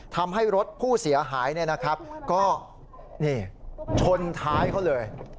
ทำให้รถผู้เสียหายก็นี่ชนท้ายเขาเลย